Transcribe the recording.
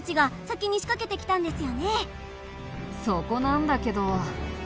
そこなんだけど。